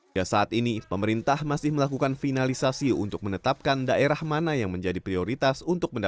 ya saat ini pemerintah masih melakukan finalisasi untuk menetapkan daerah mana yang menjadi prioritas